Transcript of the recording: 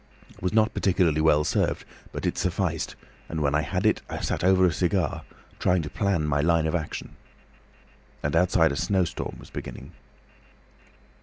It was not particularly well served, but it sufficed; and when I had had it, I sat over a cigar, trying to plan my line of action. And outside a snowstorm was beginning.